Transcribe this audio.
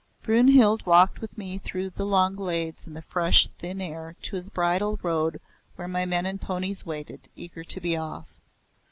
Brynhild walked with me through the long glades in the fresh thin air to the bridle road where my men and ponies waited, eager to be off.